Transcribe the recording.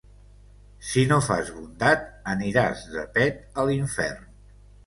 Si no fas bondat, aniràs de pet a l'infern.